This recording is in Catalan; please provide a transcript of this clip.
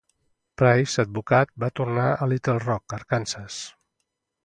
Price, advocat, va tornar a Little Rock, Arkansas.